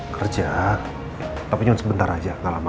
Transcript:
kerja tapi cuma sebentar aja gak lama